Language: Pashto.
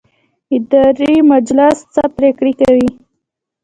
اداري مجلس څه پریکړې کوي؟